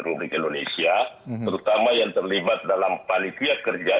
republik indonesia terutama yang terlibat dalam panitia kerja